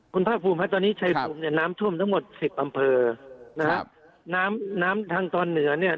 คุณภาคภูมิครับตอนนี้ชัยภูมิเนี่ยน้ำท่วมทั้งหมดสิบอำเภอนะครับน้ำน้ำทางตอนเหนือเนี่ย